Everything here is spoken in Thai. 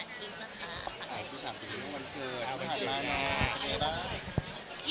คุณสามารถปิดหลุมวันเกิด